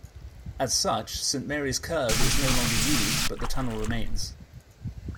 As such, Saint Mary's Curve is no longer used, but the tunnel remains.